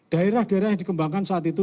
daerah daerah yang dikembangkan saat itu